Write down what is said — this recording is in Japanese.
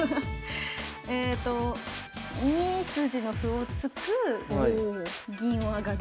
えと２筋の歩を突く銀を上がる。